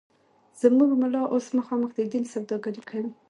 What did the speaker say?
زموږ ملا اوس مخامخ د دین سوداگري کوي